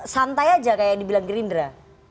santai aja kayak dibilang gerindra